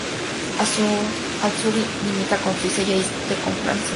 Al sur limita con Suiza y al oeste con Francia.